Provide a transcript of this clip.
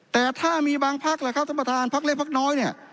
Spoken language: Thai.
แต่ถ้ามีบางภาคแหละครับท่านประทานภาคเล็กภาคน้อยเนี่ย